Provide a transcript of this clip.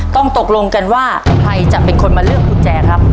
ตกลงกันว่าใครจะเป็นคนมาเลือกกุญแจครับ